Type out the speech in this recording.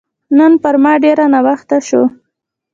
نن پر ما ډېر ناوخته شو